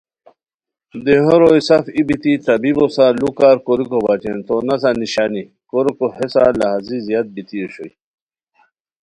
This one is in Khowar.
دیہو روئے سف ای بیتی طبیبو سار لوکار کوریکو بچین تو نسہ نیشانی کوریکو ہے سال لہازی زیاد بیتی اوشونی